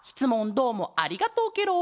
どうもありがとうケロ。